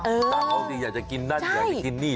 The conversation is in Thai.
ตาเขาสิอยากจะกินนั่นอยากจะกินนี่